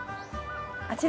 あちら